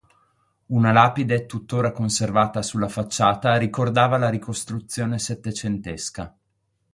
Una lapide, tuttora conservata sulla facciata, ricordava la ricostruzione settecentesca.